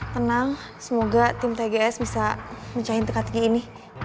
tenang semoga tim tgs bisa mencahin tegak tegi ini